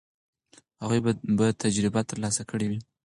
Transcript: هغوی به تجربه ترلاسه کړې وي.